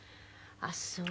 あっそう。